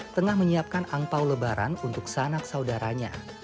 tengah menyiapkan angpau lebaran untuk sanak saudaranya